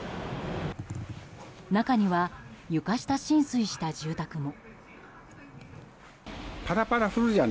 中には床下浸水した住宅も。